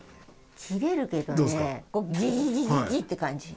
切れるけどねギギギギギって感じ。